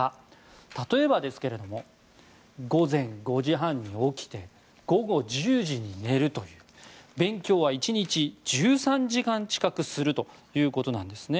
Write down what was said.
例えば、午前５時半に起きて午後１０時に寝るという勉強は１日１３時間近くするということなんです。